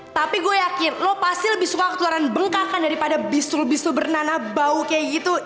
tapi gue yakin lo pasti lebih suka keluaran bengkakan daripada bisul bisul bernana bau kayak gitu